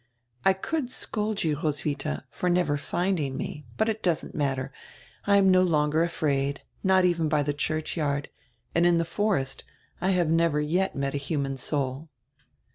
"I could scold you, Roswitha, for never finding me. But it doesn't matter; I am no longer afraid, not even by tire churchyard, and in the forest I have never yet met a human soul."